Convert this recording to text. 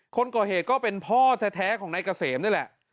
คนก่อเหตุก็เป็นพ่อแท้ของนายเกษมนี่แหละ